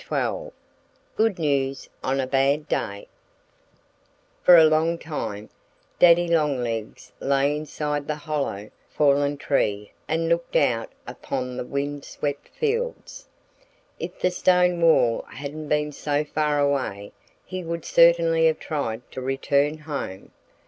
XII GOOD NEWS ON A BAD DAY FOR a long time Daddy Longlegs lay inside the hollow, fallen tree and looked out upon the wind swept fields. If the stone wall hadn't been so far away he would certainly have tried to return home.